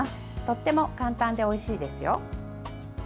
とっても簡単でおいしいですよ。